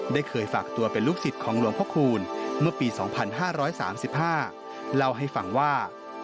เคยฝากตัวเป็นลูกศิษย์ของหลวงพระคูณเมื่อปี๒๕๓๕เล่าให้ฟังว่า